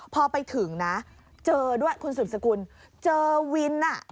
พอไปถึงนะเจอด้วยคุณสืบสกุลเจอวินอ่ะ